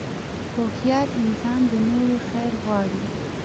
هوښیار انسان د نورو خیر غواړي.